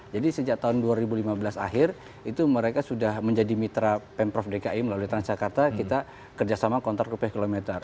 jadi sejak tahun dua ribu lima belas akhir itu mereka sudah menjadi mitra pemprov dki melalui transjakarta kita kerjasama kontrak rupiah kilometer